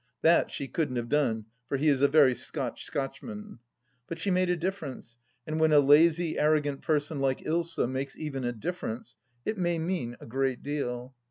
(That she couldn't have done, for he is a very Scotch Scotchman 1) But she made a difference, and when a lazy, arrogant person like Ilsa makes even a difference, it may mean a great deal.